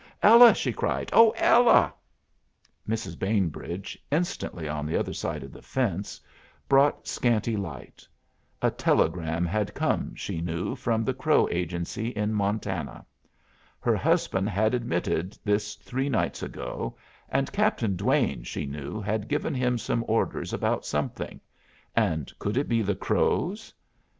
"Ella!" she cried. "Oh, Ella!" Mrs. Bainbridge, instantly on the other side of the fence, brought scanty light. A telegram had come, she knew, from the Crow Agency in Montana. Her husband had admitted this three nights ago; and Captain Duane (she knew) had given him some orders about something; and could it be the Crows?